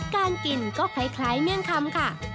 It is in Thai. การกินก็คล้ายเมี่ยงคำค่ะ